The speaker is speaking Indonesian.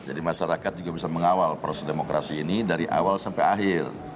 masyarakat juga bisa mengawal proses demokrasi ini dari awal sampai akhir